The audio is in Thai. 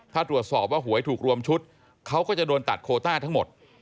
ถ้าตรวจสอบว่าหวยถูกรวมชุดเขาก็จะโดนตัดโคต้าทั้งหมด